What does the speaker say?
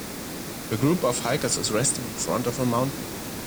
The group of hikers is resting in front of a mountain.